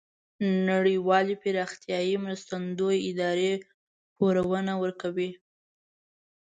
نړیوالې پراختیایې مرستندویه ادارې پورونه ورکوي.